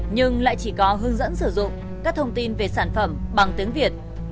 nhưng lại chỉ có hướng dẫn sử dụng các thông tin về sản phẩm bằng tiếng việt